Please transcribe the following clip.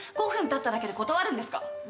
５分たっただけで断るんですか！？